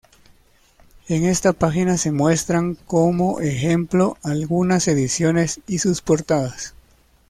En esta página se muestran como ejemplo algunas ediciones y sus portadas.